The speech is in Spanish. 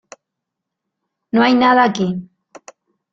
No hay nada aquí